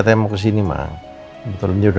assalamualaikum warahmatullahi wabarakatuh